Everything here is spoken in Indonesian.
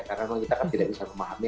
karena kita tidak bisa memahaminya